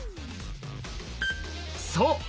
そう！